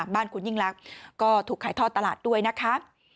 บ้านคุณยิ่งลักษณ์ก็ถูกขายทอดตลาดด้วยนะคะ